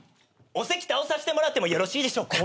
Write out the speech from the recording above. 「お席倒させてもらってもよろしいでしょうか？」